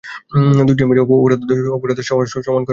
দুজনে মিলে অপরাধ সমান করে নেওয়া যাক।